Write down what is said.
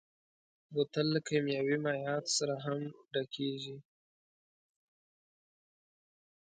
بوتل له کيمیاوي مایعاتو سره هم ډکېږي.